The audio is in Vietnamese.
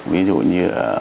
ví dụ như